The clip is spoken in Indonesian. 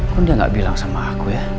akun dia gak bilang sama aku ya